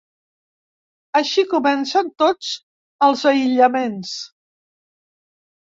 Així comencen tots els aïllaments.